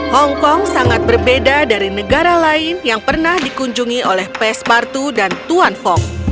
hongkong sangat berbeda dari negara lain yang pernah dikunjungi oleh pespartu dan tuan fog